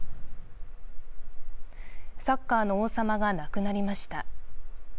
サッカーの王様が亡くなりました。